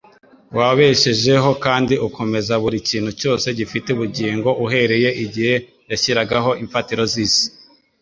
wabeshejeho kandi ukomeza buri kintu cyose gifite ubugingo uhereye igihe yashyiragaho imfatiro z’isi.